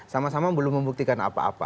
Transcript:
sama sama belum membuktikan apa apa